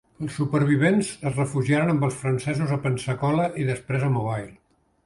Els supervivents es refugiaren amb els francesos a Pensacola i després a Mobile.